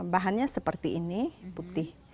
bahannya seperti ini bukti